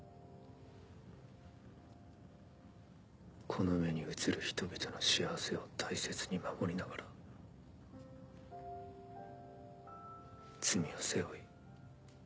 この目に映る人々の幸せを大切に守りながら罪を背負い